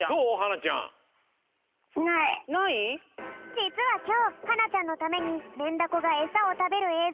じつはきょうはなちゃんのためにメンダコがえさをたべるえい